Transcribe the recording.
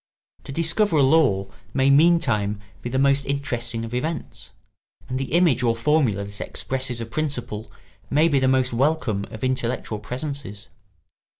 To discover a law may meantime be the most interesting of events, and the image or formula that expresses a principle may be the most welcome of intellectual presences.